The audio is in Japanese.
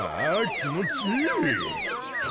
気持ちいい！